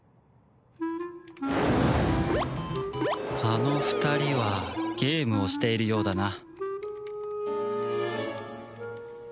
あの２人はゲームをしているようだな